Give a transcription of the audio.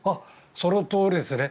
そのとおりですね。